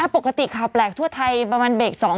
ปกติค่ะแปลกทั่วไทยประมาณเบกสอง